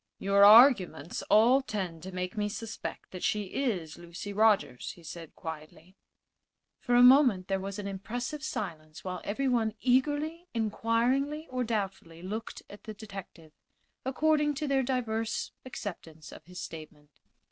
"Your arguments all tend to make me suspect that she is Lucy Rogers," he said, quietly. For a moment there was an impressive silence, while everyone eagerly, inquiringly or doubtfully looked at the detective, according to their diverse acceptance of his statement.